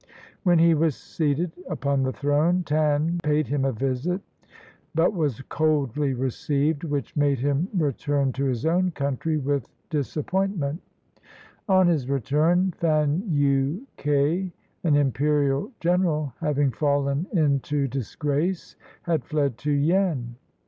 When he was seated upon the throne, Tan paid him a visit, but was coldly received, which made him return to his own country with disappoint ment. On his return, Fan yu ke, an imperial general, having fallen into disgrace, had fled to Yen.